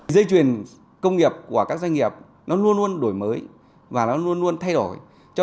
dây chuyền công nghiệp của các doanh nghiệp nó luôn luôn đổi mới và nó luôn luôn thay đổi